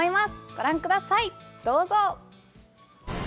ご覧ください、どうぞ。